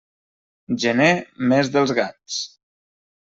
Gener, mes dels gats.